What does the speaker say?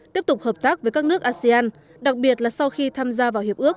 tiếp tục hợp tác với các nước asean đặc biệt là sau khi tham gia vào hiệp ước